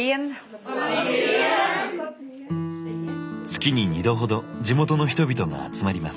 月に２度ほど地元の人々が集まります。